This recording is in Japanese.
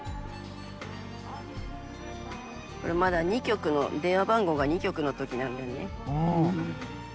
これ、まだ２局の、電話番号が２局のときなんだよね。